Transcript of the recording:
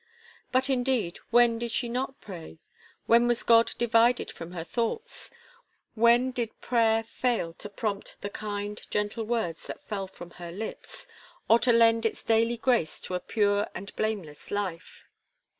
But, indeed, when did she not pray? When was God divided from her thoughts? When did prayer fail to prompt the kind, gentle words that fell from her lips, or to lend its daily grace to a pure and blameless life?